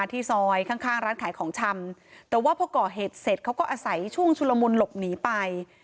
แต่ว่าพอก่อเหตุเสร็จเค้าก็อาศัยช่วงชุลมุลหลบหนีไป